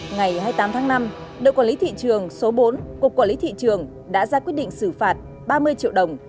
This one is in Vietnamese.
ngày hai mươi tám tháng năm đội quản lý thị trường số bốn cục quản lý thị trường đã ra quyết định xử phạt ba mươi triệu đồng